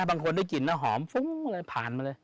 บางคนได้กลิ่นนะหอมฟุ้งเลยผ่านมาเลย